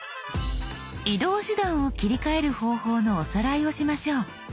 移動手段を切り替える方法のおさらいをしましょう。